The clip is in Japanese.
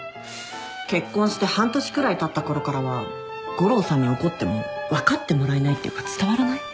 結婚して半年くらいたったころからは悟郎さんに怒っても分かってもらえないっていうか伝わらない？